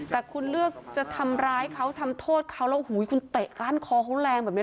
แต่คุณเลือกจะทำร้ายเขาทำโทษเขาแล้วคุณเตะก้านคอเขาแรงแบบนี้